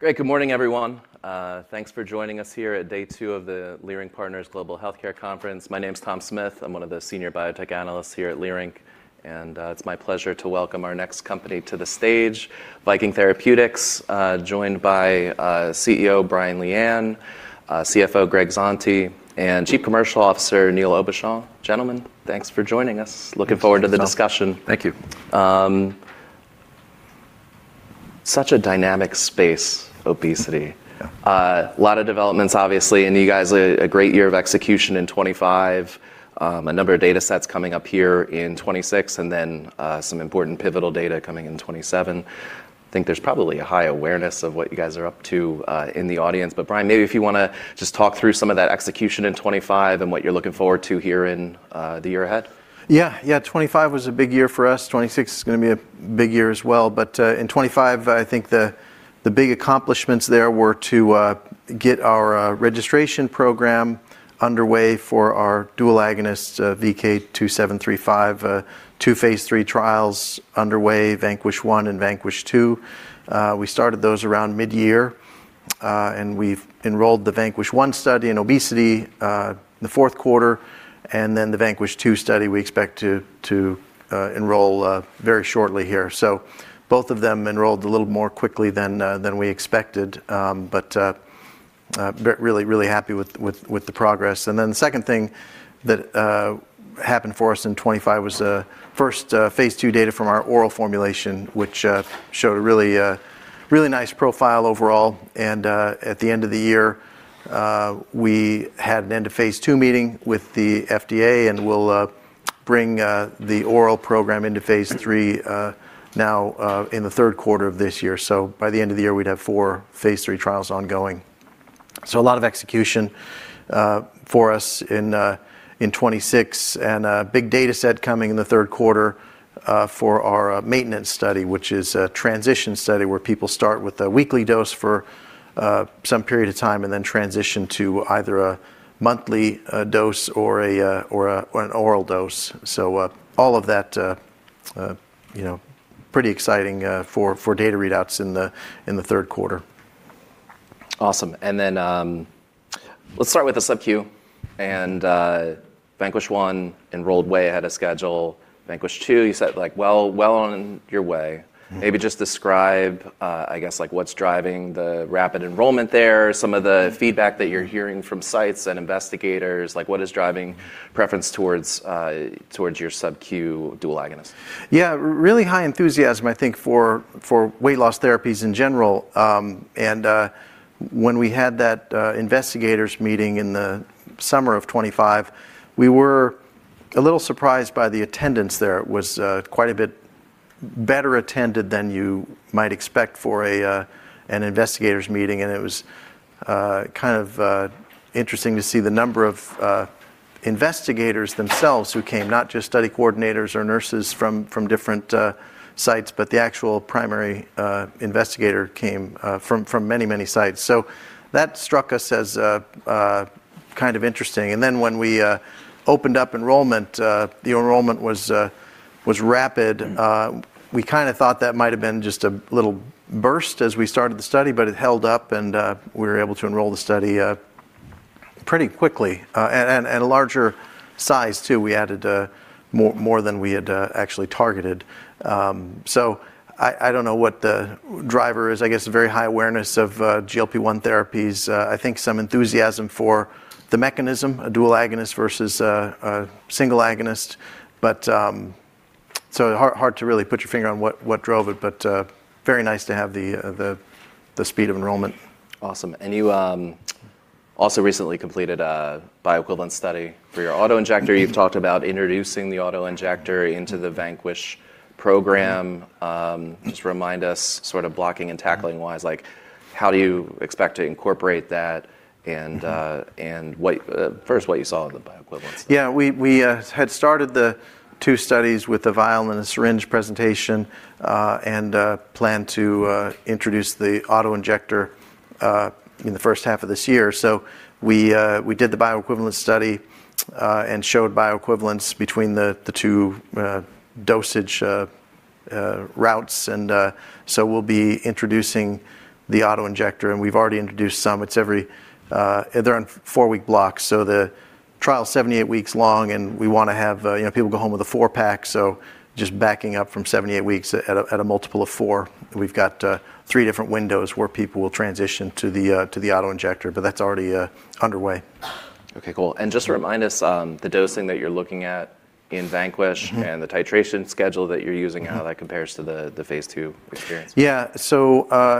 Great. Good morning, everyone. Thanks for joining us here at day two of the Leerink Partners Global Healthcare Conference. My name's Tom Smith. I'm one of the senior biotech analysts here at Leerink, and it's my pleasure to welcome our next company to the stage, Viking Therapeutics, joined by CEO Brian Lian, CFO Greg Zante, and Chief Commercial Officer Neil Aubuchon. Gentlemen, thanks for joining us. Thank you. Looking forward to the discussion. Thank you. Such a dynamic space, obesity. Yeah. A lot of developments, obviously, and you guys had a great year of execution in 2025. A number of datasets coming up here in 2026, and then some important pivotal data coming in 2027. Think there's probably a high awareness of what you guys are up to in the audience. Brian, maybe if you wanna just talk through some of that execution in 2025 and what you're looking forward to here in the year ahead. Yeah. Yeah, 2025 was a big year for us. 2026 is gonna be a big year as well. In 2025, I think the big accomplishments there were to get our registration program underway for our dual agonist, VK2735, two phase III trials underway, VANQUISH-1 and VANQUISH-2. We started those around midyear, and we've enrolled the VANQUISH-1 study in obesity, the fourth quarter, and then the VANQUISH-2 study, we expect to enroll very shortly here. Both of them enrolled a little more quickly than we expected. Really happy with the progress. The second thing that happened for us in 2025 was first phase II data from our oral formulation, which showed a really nice profile overall. At the end of the year, we had an end-of-phase II meeting with the FDA and will bring the oral program into phase III now in the third quarter of this year. By the end of the year, we'd have four phase III trials ongoing. A lot of execution for us in 2026. A big dataset coming in the third quarter for our maintenance study, which is a transition study where people start with a weekly dose for some period of time and then transition to either a monthly dose or an oral dose. All of that, you know, pretty exciting, for data readouts in the third quarter. Awesome. Let's start with the subQ and VANQUISH-1 enrolled way ahead of schedule. VANQUISH-2, you said, like, well on your way. Mm-hmm. Maybe just describe, I guess, like what's driving the rapid enrollment there, some of the feedback that you're hearing from sites and investigators, like what is driving preference towards your subQ dual agonist? Yeah. Really high enthusiasm, I think, for weight loss therapies in general. When we had that investigators meeting in the summer of 2025, we were a little surprised by the attendance there. It was quite a bit better attended than you might expect for an investigators meeting, and it was kind of interesting to see the number of investigators themselves who came, not just study coordinators or nurses from different sites, but the actual primary investigator came from many sites. That struck us as kind of interesting. Then when we opened up enrollment, the enrollment was rapid. We kinda thought that might have been just a little burst as we started the study, but it held up and we were able to enroll the study pretty quickly. A larger size too. We added more than we had actually targeted. I don't know what the driver is. I guess a very high awareness of GLP-1 therapies. I think some enthusiasm for the mechanism, a dual agonist versus a single agonist. Hard to really put your finger on what drove it, but very nice to have the speed of enrollment. Awesome. You also recently completed a bioequivalence study for your auto-injector. You've talked about introducing the auto-injector into the VANQUISH program. Just remind us sort of blocking and tackling-wise, like how do you expect to incorporate that and- Mm-hmm... and what first what you saw in the bioequivalence study. Yeah. We had started the two studies with the vial and the syringe presentation and planned to introduce the auto-injector in the first half of this year. We did the bioequivalence study and showed bioequivalence between the two dosage routes. We'll be introducing the auto-injector, and we've already introduced some. They're on four-week blocks, so the trial's 78 weeks long, and we wanna have, you know, people go home with a four-pack. Just backing up from 78 weeks at a multiple of four. We've got three different windows where people will transition to the auto-injector, but that's already underway. Okay, cool. Just remind us, the dosing that you're looking at in VANQUISH- Mm-hmm the titration schedule that you're using, how that compares to the phase II experience? Yeah.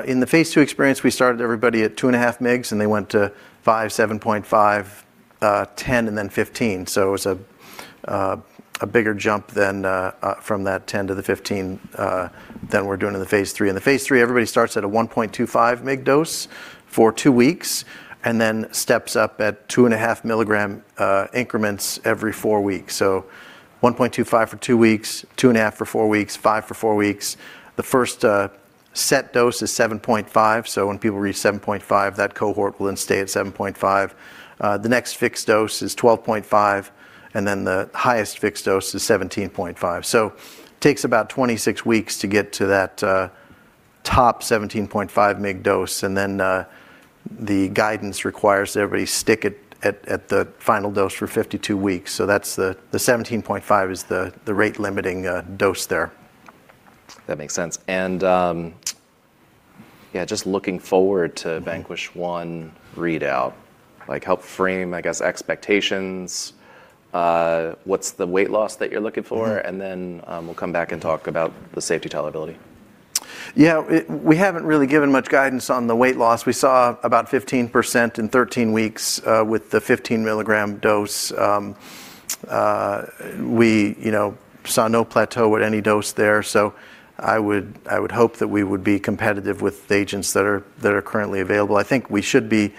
In the phase II experience, we started everybody at 2.5 mg, and they went to 5, 7.5, 10, and then 15. It was a bigger jump than from that 10 to the 15 than we're doing in the phase III. In the phase III, everybody starts at a 1.25 mg dose for two weeks, and then steps up at 2.5 mg increments every four weeks. 1.25 for two weeks, 2.5 for four weeks, 5 for 4 weeks. The first fixed dose is 7.5, so when people reach 7.5, that cohort will then stay at 7.5. The next fixed dose is 12.5, and then the highest fixed dose is 17.5. Takes about 26 weeks to get to that top 17.5 mg dose, and then, the guidance requires everybody stick at the final dose for 52 weeks. That's the 17.5 is the rate limiting dose there. That makes sense. Yeah, just looking forward to VANQUISH-1 readout, like, help frame, I guess, expectations. What's the weight loss that you're looking for? Mm-hmm. We'll come back and talk about the safety tolerability. Yeah. We haven't really given much guidance on the weight loss. We saw about 15% in 13 weeks with the 15 mg dose. We, you know, saw no plateau at any dose there. I would hope that we would be competitive with agents that are currently available. I think we should be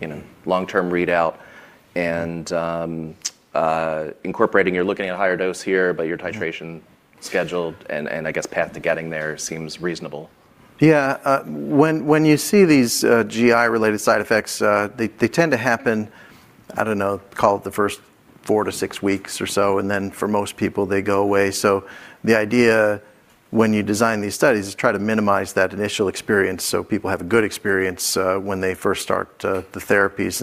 you know, long-term readout and incorporating, you're looking at higher dose here, but your titration schedule and I guess path to getting there seems reasonable. Yeah. When you see these GI-related side effects, they tend to happen, I don't know, call it the first 4-6 weeks or so, and then for most people, they go away. The idea when you design these studies is try to minimize that initial experience so people have a good experience when they first start the therapies.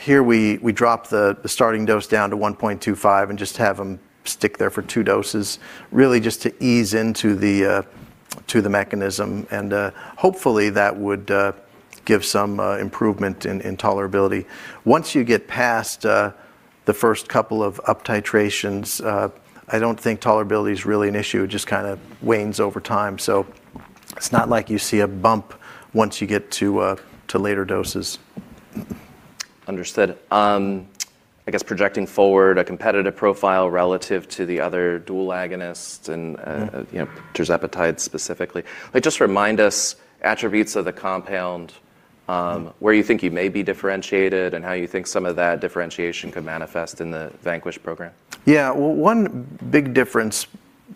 Here we drop the starting dose down to 1.25 and just have them stick there for two doses, really just to ease into the mechanism. Hopefully, that would give some improvement in tolerability. Once you get past the first couple of uptitrations, I don't think tolerability is really an issue. It just kinda wanes over time. It's not like you see a bump once you get to later doses. Understood. I guess projecting forward a competitive profile relative to the other dual agonists and, Mm-hmm You know, tirzepatide specifically, like just remind us attributes of the compound, where you think you may be differentiated and how you think some of that differentiation could manifest in the VANQUISH program. Yeah. Well, one big difference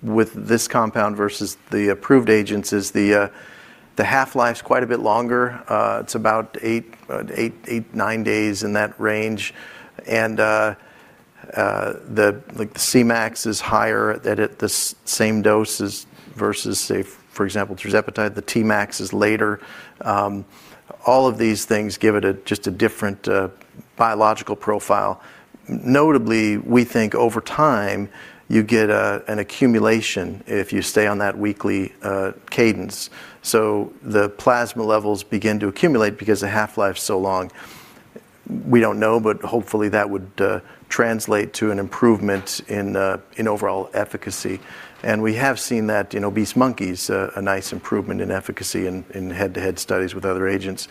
with this compound versus the approved agents is the half-life's quite a bit longer. It's about eight to nine days, in that range. The Cmax is higher at the same doses versus, say, for example, tirzepatide, the Tmax is later. All of these things give it just a different biological profile. Notably, we think over time, you get an accumulation if you stay on that weekly cadence. The plasma levels begin to accumulate because the half-life's so long. We don't know, but hopefully, that would translate to an improvement in overall efficacy. We have seen that in obese monkeys, a nice improvement in efficacy in head-to-head studies with other agents.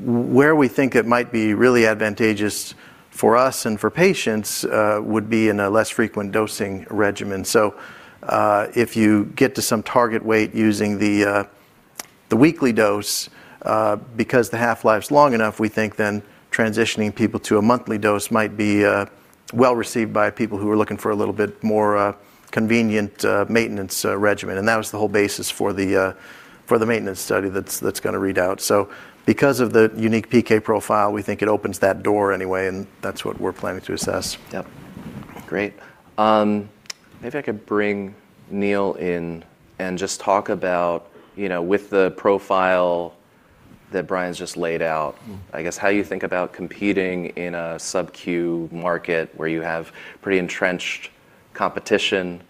Where we think it might be really advantageous for us and for patients would be in a less frequent dosing regimen. If you get to some target weight using the weekly dose, because the half-life's long enough, we think then transitioning people to a monthly dose might be well-received by people who are looking for a little bit more convenient maintenance regimen. That was the whole basis for the maintenance study that's gonna read out. Because of the unique PK profile, we think it opens that door anyway, and that's what we're planning to assess. Yep. Great. Maybe I could bring Neil in and just talk about, you know, with the profile that Brian's just laid out. Mm-hmm ...I guess how you think about competing in a subQ market where you have pretty entrenched competition,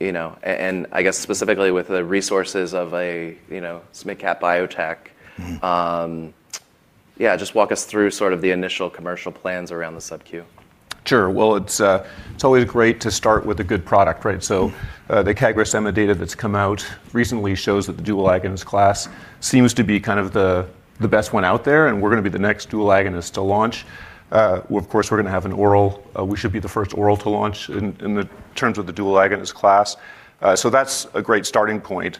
you know, and I guess specifically with the resources of a, you know, smid cap biotech. Mm-hmm. Yeah, just walk us through sort of the initial commercial plans around the subQ. Sure. Well, it's always great to start with a good product, right? Mm-hmm. The CagriSema data that's come out recently shows that the dual agonist class seems to be kind of the best one out there, and we're gonna be the next dual agonist to launch. Well, of course, we're gonna have an oral. We should be the first oral to launch in the terms of the dual agonist class. That's a great starting point.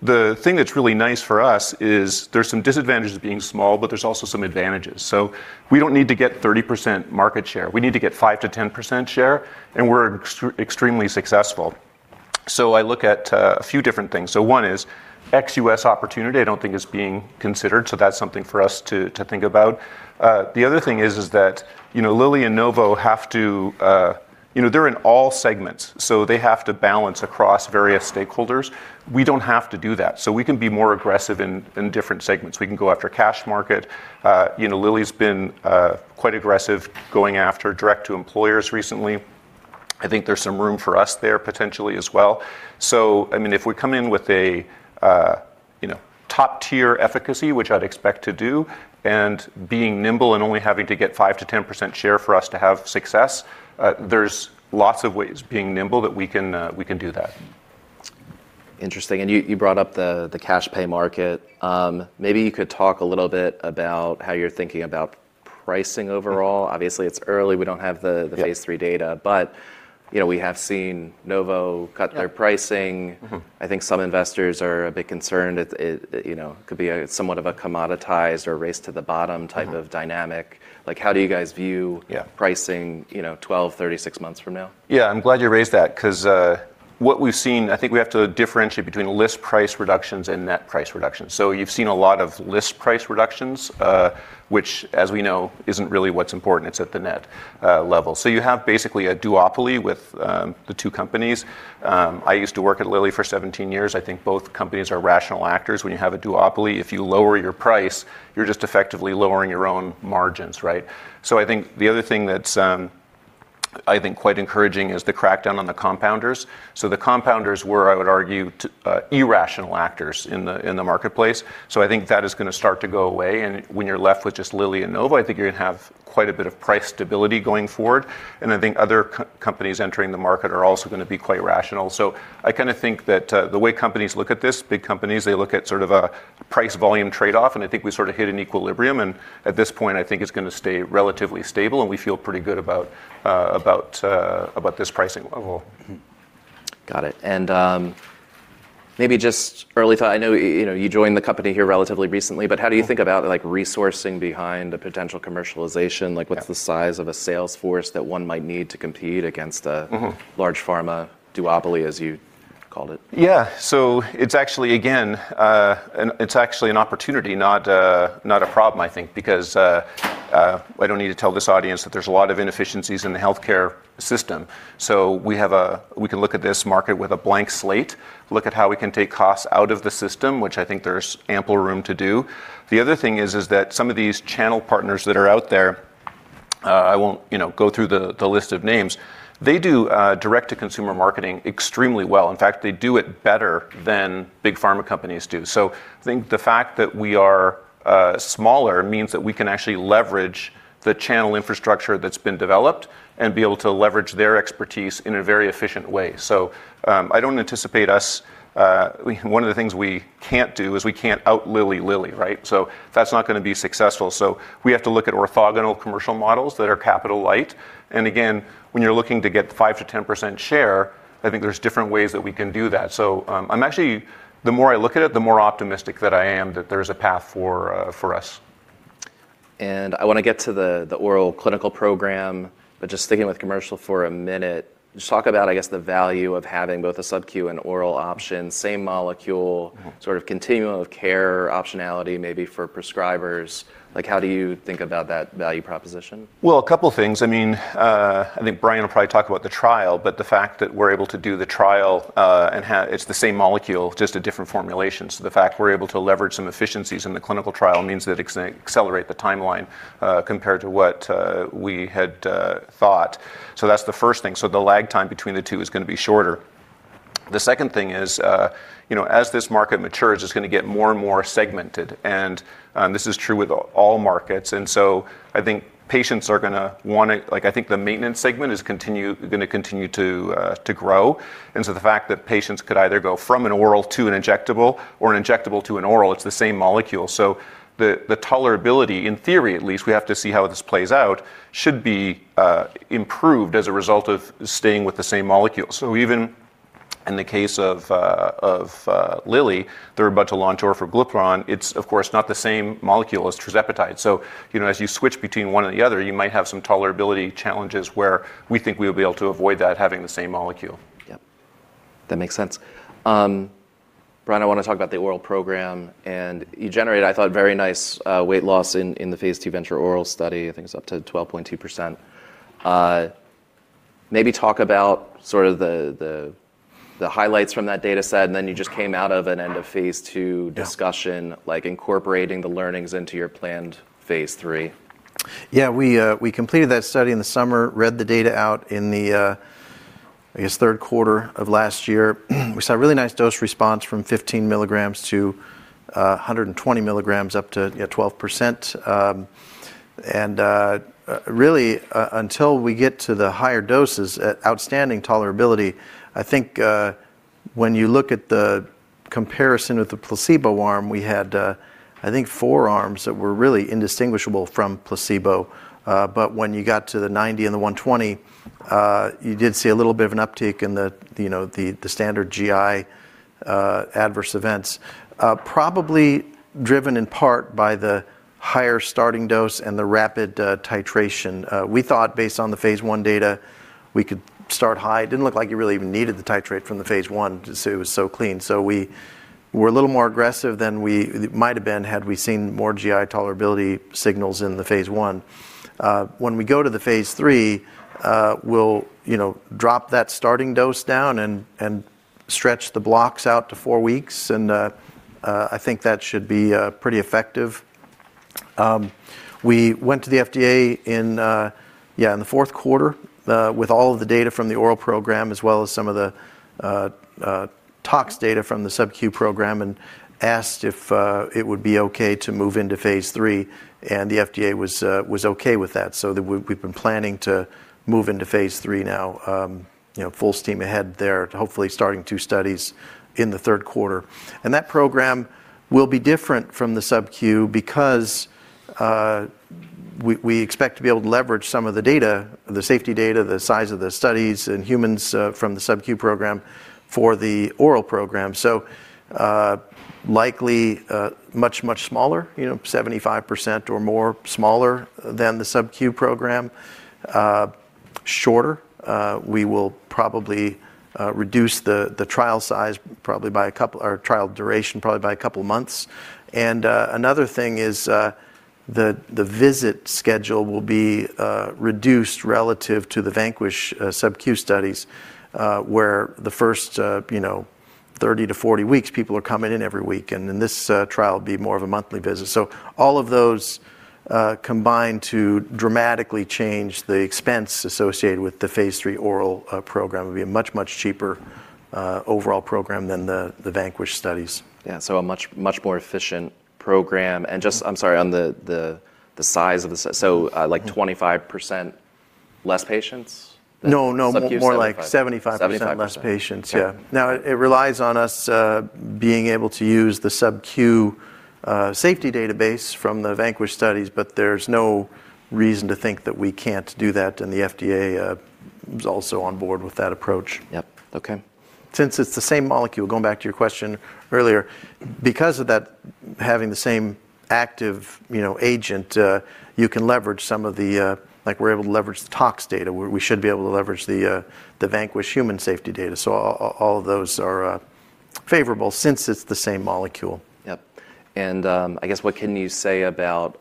The thing that's really nice for us is there's some disadvantages of being small, but there's also some advantages. We don't need to get 30% market share. We need to get 5%-10% share, and we're extremely successful. I look at a few different things. One is ex-US opportunity I don't think is being considered, so that's something for us to think about. The other thing is that, you know, Lilly and Novo have to—you know, they're in all segments, so they have to balance across various stakeholders. We don't have to do that. We can be more aggressive in different segments. We can go after cash market. You know, Lilly's been quite aggressive going after direct to employers recently. I think there's some room for us there potentially as well. I mean, if we come in with a, you know, top-tier efficacy, which I'd expect to do, and being nimble and only having to get 5%-10% share for us to have success, there's lots of ways being nimble that we can do that. Interesting. You brought up the cash pay market. Maybe you could talk a little bit about how you're thinking about pricing overall. Obviously it's early, we don't have. Yeah the phase III data, you know, we have seen Novo cut their pricing. Yeah. Mm-hmm. I think some investors are a bit concerned it, you know, could be somewhat of a commoditized or race to the bottom type. Mm-hmm of dynamic. Like, how do you guys view Yeah... pricing, you know, 12, 36 months from now? Yeah. I'm glad you raised that 'cause what we've seen. I think we have to differentiate between list price reductions and net price reductions. You've seen a lot of list price reductions, which, as we know, isn't really what's important. It's at the net level. You have basically a duopoly with the two companies. I used to work at Lilly for 17 years. I think both companies are rational actors. When you have a duopoly, if you lower your price, you're just effectively lowering your own margins, right? I think the other thing that's I think quite encouraging is the crackdown on the compounders. The compounders were, I would argue, irrational actors in the marketplace. I think that is gonna start to go away, and when you're left with just Lilly and Novo, I think you're gonna have quite a bit of price stability going forward. I think other companies entering the market are also gonna be quite rational. I kinda think that, the way companies look at this, big companies, they look at sort of a price/volume trade-off, and I think we sort of hit an equilibrium. At this point, I think it's gonna stay relatively stable, and we feel pretty good about about this pricing level. Mm-hmm. Got it. Maybe just early thought. I know, you know, you joined the company here relatively recently, but how do you think about, like, resourcing behind a potential commercialization? Yeah What's the size of a sales force that one might need to compete against a- Mm-hmm large pharma duopoly, as you called it? It's actually an opportunity, not a problem, I think, because I don't need to tell this audience that there's a lot of inefficiencies in the healthcare system. We can look at this market with a blank slate, look at how we can take costs out of the system, which I think there's ample room to do. The other thing is that some of these channel partners that are out there, I won't, you know, go through the list of names, they do direct-to-consumer marketing extremely well. In fact, they do it better than big pharma companies do. I think the fact that we are smaller means that we can actually leverage the channel infrastructure that's been developed and be able to leverage their expertise in a very efficient way. I don't anticipate us. One of the things we can't do is we can't out-Lilly Lilly, right? That's not gonna be successful. We have to look at orthogonal commercial models that are capital light. Again, when you're looking to get 5%-10% share, I think there's different ways that we can do that. I'm actually. The more I look at it, the more optimistic that I am that there's a path for us. I wanna get to the oral clinical program, but just sticking with commercial for a minute, just talk about, I guess, the value of having both a subQ and oral option, same molecule. Mm-hmm sort of continuum of care optionality maybe for prescribers. Like, how do you think about that value proposition? Well, a couple things. I mean, I think Brian will probably talk about the trial, but the fact that we're able to do the trial, and it's the same molecule, just a different formulation. The fact we're able to leverage some efficiencies in the clinical trial means that accelerate the timeline, compared to what we had thought. That's the first thing. The lag time between the two is gonna be shorter. The second thing is, you know, as this market matures, it's gonna get more and more segmented, and this is true with all markets. I think patients are gonna want it. Like, I think the maintenance segment is gonna continue to grow. The fact that patients could either go from an oral to an injectable or an injectable to an oral, it's the same molecule. The tolerability, in theory at least, we have to see how this plays out, should be improved as a result of staying with the same molecule. Even in the case of Lilly, they're about to launch Orforglipron. It's, of course, not the same molecule as tirzepatide. You know, as you switch between one and the other, you might have some tolerability challenges where we think we'll be able to avoid that having the same molecule. Yep. That makes sense. Brian, I wanna talk about the oral program. You generated, I thought, very nice weight loss in the phase II VENTURE oral study. I think it's up to 12.2%. Maybe talk about sort of the highlights from that data set, and then you just came out of an end-of-phase II Yeah discussion, like incorporating the learnings into your planned phase III. Yeah. We completed that study in the summer, read the data out in the, I guess third quarter of last year. We saw a really nice dose response from 15 mg-120 mg, up to 12%. Really until we get to the higher doses, an outstanding tolerability, I think, when you look at the comparison with the placebo arm, we had, I think 4 arms that were really indistinguishable from placebo. But when you got to the 90 and the 120, you did see a little bit of an uptick in the, you know, the standard GI adverse events, probably driven in part by the higher starting dose and the rapid titration. We thought based on the phase I data, we could start high. It didn't look like you really even needed the titration from the phase I, just so it was so clean. We were a little more aggressive than we might've been had we seen more GI tolerability signals in the phase I. When we go to the phase III, we'll, you know, drop that starting dose down and stretch the blocks out to four weeks and I think that should be pretty effective. We went to the FDA in the fourth quarter with all of the data from the oral program as well as some of the toxicology data from the subQ program and asked if it would be okay to move into phase III, and the FDA was okay with that. We've been planning to move into phase III now, you know, full steam ahead there, hopefully starting two studies in the third quarter. That program will be different from the subQ because we expect to be able to leverage some of the data, the safety data, the size of the studies in humans, from the subQ program for the oral program. Likely much smaller, you know, 75% or more smaller than the subQ program, shorter. We will probably reduce the trial size probably by a couple or trial duration probably by a couple of months. Another thing is, the visit schedule will be reduced relative to the VANQUISH subq studies, where the first, you know, 30-40 weeks, people are coming in every week and then this trial will be more of a monthly visit. So all of those combine to dramatically change the expense associated with the phase III oral program. It will be a much, much cheaper overall program than the VANQUISH studies. Yeah. A much, much more efficient program. Yeah. I'm sorry, on the size. Mm 25% less patients than- No. SubQ, 75 more like 75 75% % less patients. Okay. Yeah. Now, it relies on us being able to use the subq safety database from the VANQUISH studies, but there's no reason to think that we can't do that, and the FDA is also on board with that approach. Yep. Okay. Since it's the same molecule, going back to your question earlier, because of that having the same active, you know, agent, you can leverage some of the, like we're able to leverage the toxicology data. We should be able to leverage the VANQUISH human safety data. All of those are favorable since it's the same molecule. Yep. I guess what can you say about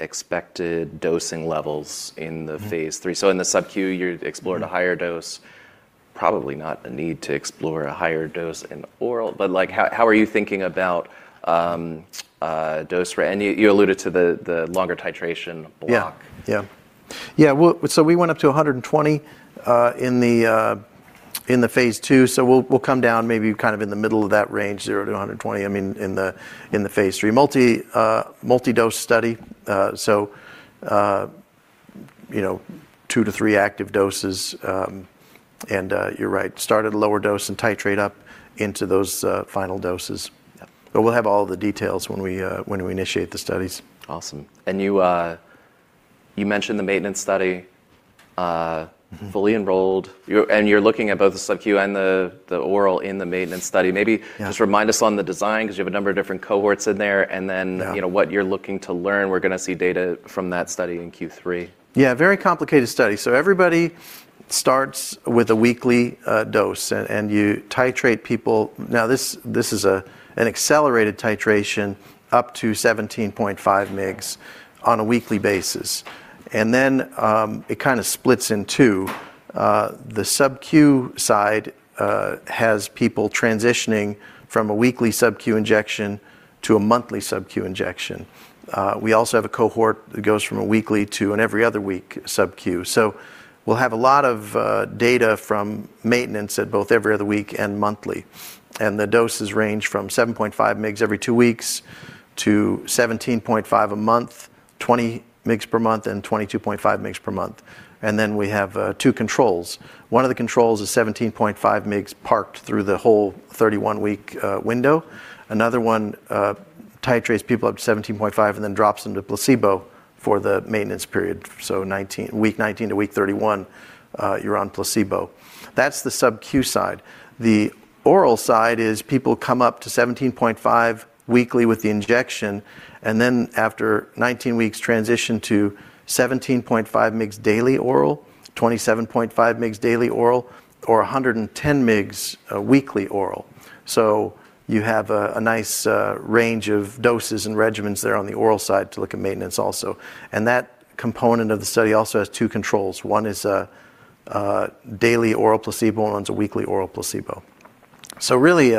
expected dosing levels in the? Mm phase three? In the subQ, you're exploring- Mm A higher dose, probably not a need to explore a higher dose in oral, but like how are you thinking about a dose and you alluded to the longer titration block? Yeah. Well, we went up to 120 in the phase II, so we'll come down maybe kind of in the middle of that range, 0-120, I mean, in the phase III. Multi-dose study, so you know, 2-3 active doses, and you're right, start at a lower dose and titrate up into those final doses. Yep. We'll have all the details when we initiate the studies. Awesome. You mentioned the maintenance study. Mm-hmm fully enrolled. You're looking at both the subq and the oral in the maintenance study. Maybe Yeah Just remind us on the design, 'cause you have a number of different cohorts in there, and then. Yeah you know, what you're looking to learn. We're gonna see data from that study in Q3. Yeah, a very complicated study. Everybody starts with a weekly dose, and you titrate people. This is an accelerated titration up to 17.5 mg on a weekly basis. It kinda splits in two. The subQ side has people transitioning from a weekly subQ injection to a monthly subQ injection. We also have a cohort that goes from a weekly to an every other week subq. We'll have a lot of data from maintenance at both every other week and monthly. The doses range from 7.5 mg every two weeks to 17.5 a month, 20 mg per month, and 22.5 mg per month. We have two controls. One of the controls is 17.5 mg parked through the whole 31-week window. Another one titrates people up to 17.5 and then drops them to placebo for the maintenance period. Week 19 to week 31, you're on placebo. That's the subQ side. The oral side is people come up to 17.5 weekly with the injection, and then after 19 weeks, transition to 17.5 mgs daily oral, 27.5 mgs daily oral, or 110 mgs weekly oral. You have a nice range of doses and regimens there on the oral side to look at maintenance also. That component of the study also has two controls. One is a daily oral placebo, and one's a weekly oral placebo. Really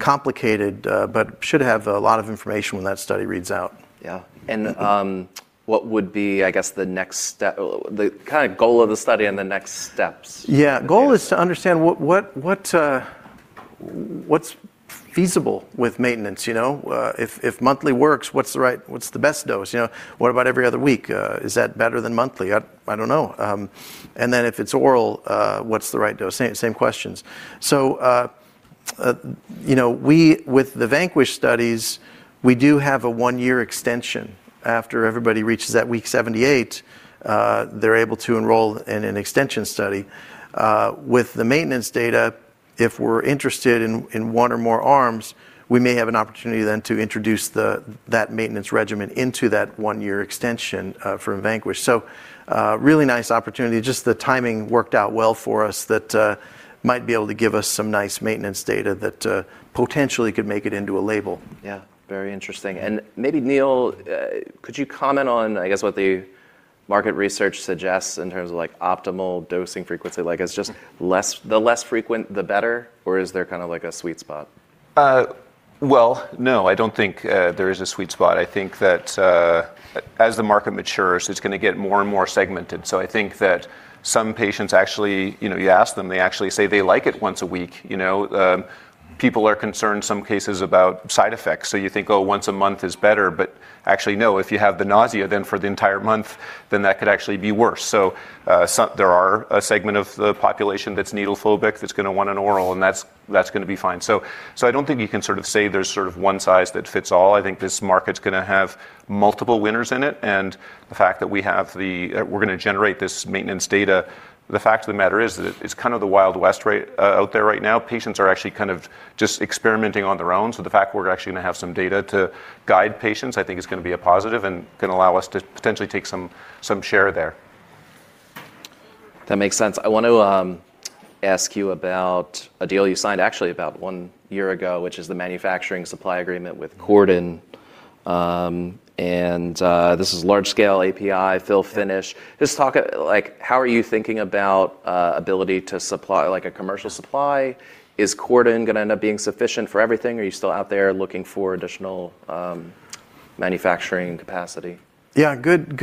complicated, but should have a lot of information when that study reads out. Yeah. Mm-hmm. What would be, I guess, the next step or the kinda goal of the study and the next steps? Yeah. Yeah. Goal is to understand what's feasible with maintenance, you know? If monthly works, what's the best dose, you know? What about every other week? Is that better than monthly? I don't know. And then if it's oral, what's the right dose? Same questions. You know, with the VANQUISH studies, we do have a one-year extension. After everybody reaches that week 78, they're able to enroll in an extension study. With the maintenance data, if we're interested in one or more arms, we may have an opportunity then to introduce that maintenance regimen into that one-year extension for VANQUISH. Really nice opportunity. Just the timing worked out well for us that might be able to give us some nice maintenance data that potentially could make it into a label. Yeah. Very interesting. Maybe, Neil, could you comment on, I guess, what the market research suggests in terms of like optimal dosing frequency? Like, it's just the less frequent, the better? Or is there kinda like a sweet spot? Well, no, I don't think there is a sweet spot. I think that as the market matures, it's gonna get more and more segmented. I think that some patients actually, you know, you ask them, they actually say they like it once a week, you know? People are concerned in some cases about side effects. You think, oh, once a month is better, but actually, no, if you have the nausea then for the entire month, then that could actually be worse. There are a segment of the population that's needle phobic that's gonna want an oral, and that's gonna be fine. I don't think you can sort of say there's sort of one size that fits all. I think this market's gonna have multiple winners in it. The fact that we're gonna generate this maintenance data, the fact of the matter is that it's kind of the Wild West out there right now. Patients are actually kind of just experimenting on their own. The fact we're actually gonna have some data to guide patients, I think, is gonna be a positive and gonna allow us to potentially take some share there. That makes sense. I want to ask you about a deal you signed actually about one year ago, which is the manufacturing supply agreement with Catalent. This is large scale API fill finish. Just talk like how are you thinking about ability to supply, like a commercial supply? Is Catalent gonna end up being sufficient for everything or are you still out there looking for additional manufacturing capacity? Yeah. Good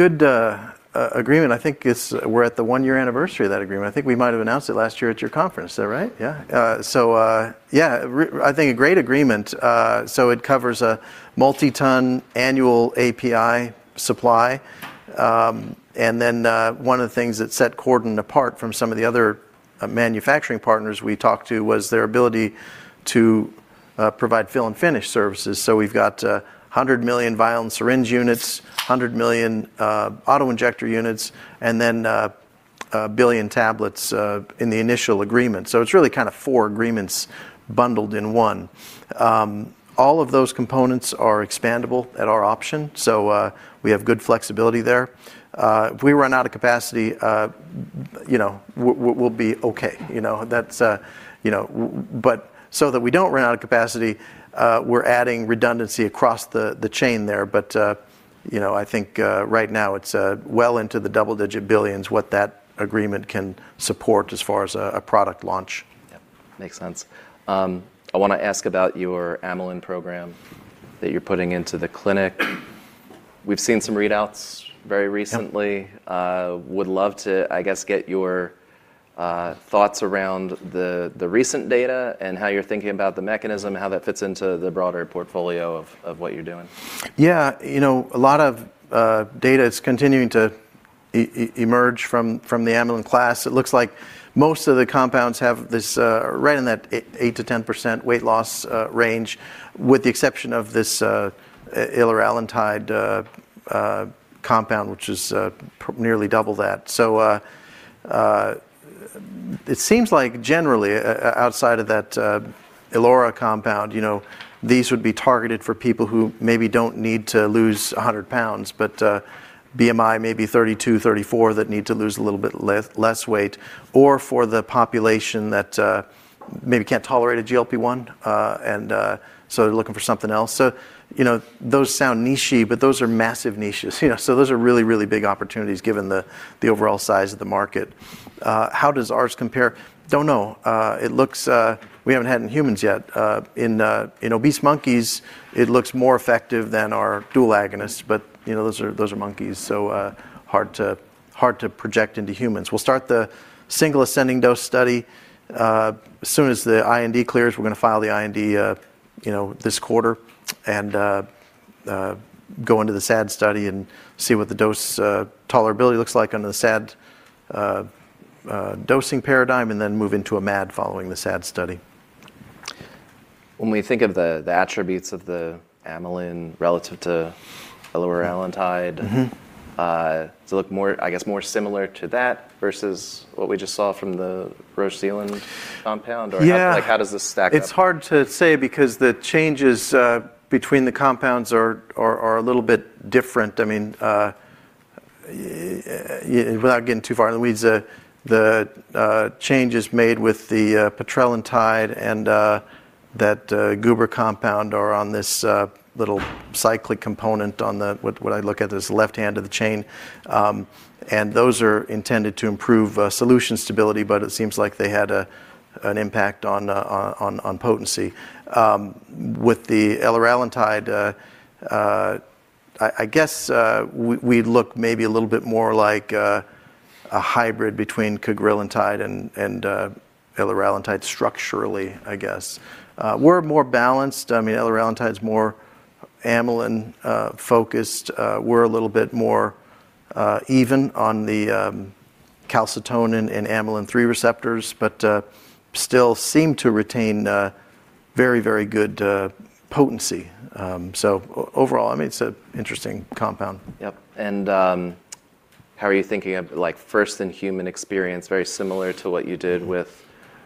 agreement. I think we're at the one-year anniversary of that agreement. I think we might have announced it last year at your conference, is that right? Yeah. I think a great agreement. It covers a multi-ton annual API supply. One of the things that set Catalent apart from some of the other manufacturing partners we talked to was their ability to provide fill and finish services. We've got 100 million vial and syringe units, 100 million auto-injector units, and then 1 billion tablets in the initial agreement. It's really kinda four agreements bundled in one. All of those components are expandable at our option, so we have good flexibility there. If we run out of capacity, you know, we'll be okay. You know, that's, you know. That we don't run out of capacity, we're adding redundancy across the chain there. You know, I think right now it's well into the double-digit billions what that agreement can support as far as a product launch. Yep. Makes sense. I wanna ask about your amylin program that you're putting into the clinic. We've seen some readouts very recently. Yeah. Would love to, I guess, get your thoughts around the recent data and how you're thinking about the mechanism, how that fits into the broader portfolio of what you're doing. Yeah. You know, a lot of data is continuing to emerge from the amylin class. It looks like most of the compounds have this right in that 8%-10% weight loss range, with the exception of this eloralintide compound, which is nearly double that. It seems like generally, outside of that eloralintide compound, you know, these would be targeted for people who maybe don't need to lose 100 pounds, but BMI may be 32, 34 that need to lose a little bit less weight, or for the population that maybe can't tolerate a GLP-1, and so they're looking for something else. You know, those sound niche-y, but those are massive niches. You know, those are really, really big opportunities given the overall size of the market. How does ours compare? Don't know. We haven't had it in humans yet. In obese monkeys, it looks more effective than our dual agonists, but you know, those are monkeys, so hard to project into humans. We'll start the single ascending dose study as soon as the IND clears. We're gonna file the IND you know, this quarter and go into the SAD study and see what the dose tolerability looks like under the SAD dosing paradigm, and then move into a MAD following the SAD study. When we think of the attributes of the amylin relative to loralintide. Mm-hmm Does it look more, I guess, more similar to that versus what we just saw from the Roche/Zealand compound, or Yeah like, how does this stack up? It's hard to say because the changes between the compounds are a little bit different. I mean, without getting too far in the weeds, the changes made with the petrelintide and that Gubra compound are on this little cyclic component on the what I look at as the left hand of the chain. Those are intended to improve solution stability, but it seems like they had an impact on potency. With the eloralintide, I guess, we look maybe a little bit more like a hybrid between cagrilintide and eloralintide structurally, I guess. We're more balanced. I mean, eloralintide's more amylin focused. We're a little bit more even on the calcitonin and amylin 3 receptors, but still seem to retain very, very good potency. Overall, I mean, it's an interesting compound. Yep. How are you thinking of, like, first-in-human experience, very similar to what you did with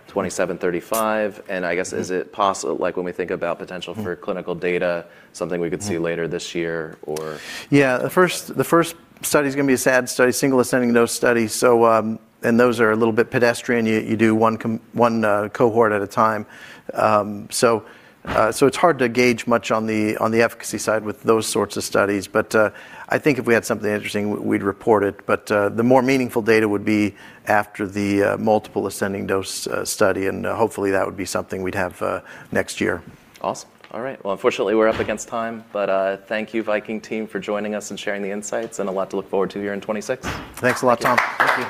VK2735. I guess, like, when we think about potential for clinical data, something we could see later this year or- Yeah. The first study's gonna be a SAD study, single ascending dose study. Those are a little bit pedestrian. You do one cohort at a time. It's hard to gauge much on the efficacy side with those sorts of studies, but I think if we had something interesting, we'd report it. The more meaningful data would be after the multiple ascending dose study, and hopefully that would be something we'd have next year. Awesome. All right. Well, unfortunately, we're up against time, but thank you, Viking team, for joining us and sharing the insights, and a lot to look forward to here in 2026. Thanks a lot, Tom. Thank you.